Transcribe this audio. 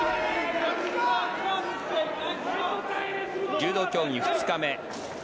柔道競技２日目。